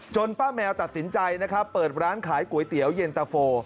ป้าแมวตัดสินใจนะครับเปิดร้านขายก๋วยเตี๋ยวเย็นตะโฟ